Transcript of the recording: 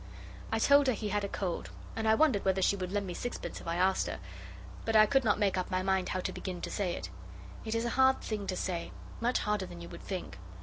I told her he had a cold, and I wondered whether she would lend me sixpence if I asked her, but I could not make up my mind how to begin to say it. It is a hard thing to say much harder than you would think.